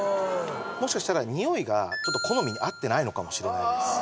もしかしたらにおいが好みに合ってないのかもしれないです